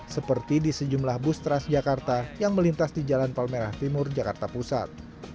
seperti di sejumlah bus transjakarta yang melintas di jalan palmerah timur jakarta pusat